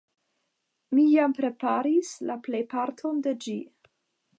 Mi jam preparis la plejparton de ĝi.